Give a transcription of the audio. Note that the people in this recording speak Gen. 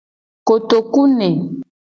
Kotokuene.